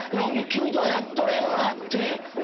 「君とはやっとれんわ」って。